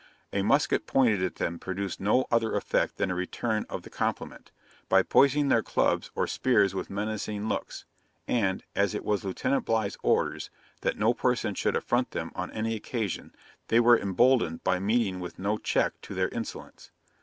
A musket pointed at them produced no other effect than a return of the compliment, by poising their clubs or spears with menacing looks; and, as it was Lieutenant Bligh's orders, that no person should affront them on any occasion, they were emboldened by meeting with no check to their insolence.